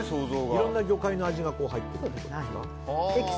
いろんな魚介の味が入っていると。